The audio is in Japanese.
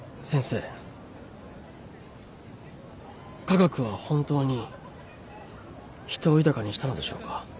科学は本当に人を豊かにしたのでしょうか？